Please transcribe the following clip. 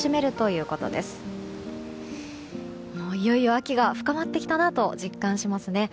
いよいよ、秋が深まってきたなと実感しますね。